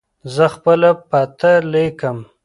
زه خپله پته لیکم.